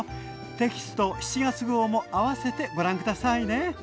テキスト７月号も併せてご覧下さいね。